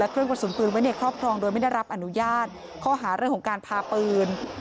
เครื่องกระสุนปืนไว้ในครอบครองโดยไม่ได้รับอนุญาตข้อหาเรื่องของการพาปืน